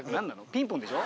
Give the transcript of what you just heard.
「ピンポン」でしょ？